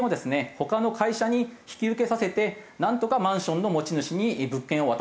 他の会社に引き受けさせてなんとかマンションの持ち主に物件を渡そうとしている。